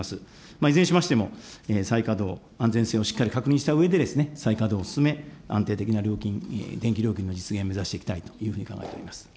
いずれにしましても、再稼働、安全性をしっかり確認したうえで、再稼働を進め、安定的な電気料金の実現を目指していきたいというふうに考えております。